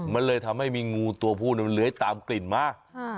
มันเลยทำให้มีงูตัวผู้นั้นเหลือให้ตามกลิ่นมา